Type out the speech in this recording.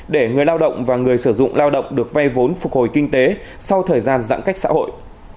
để người lao động và người sử dụng lao động được vay vốn phục hồi kinh tế sau thời gian giãn cách xã hội